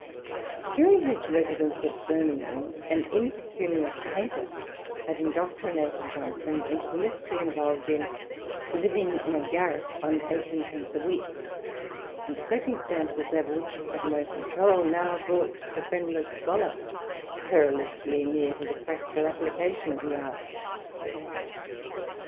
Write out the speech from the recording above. During his residence at Birmingham an impecunious painter had indoctrinated Johnson into the mystery involved in living in a garret on eighteenpence a week," and circum stances over which he had no control now brought the friendless scholar perilously near to the practical application of the art.